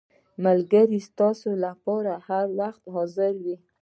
• ملګری ستا لپاره هر وخت حاضر وي.